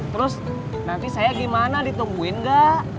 terus nanti saya gimana ditungguin gak